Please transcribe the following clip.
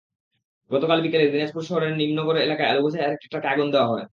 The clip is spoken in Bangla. গতকাল বিকেলে দিনাজপুর শহরের নিমনগর এলাকায় আলুবোঝাই আরেকটি ট্রাকে আগুন দেওয়া হয়।